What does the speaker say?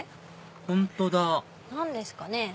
本当だ何ですかね？